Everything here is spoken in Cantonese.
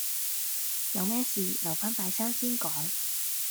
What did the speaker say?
有咩事留返拜山先講